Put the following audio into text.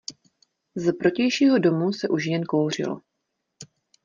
Z protějšího domu se už jen kouřilo.